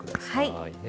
はい。